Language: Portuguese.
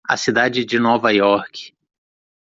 A cidade de Nova York.